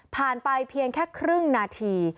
ไปเพียงแค่ครึ่งนาที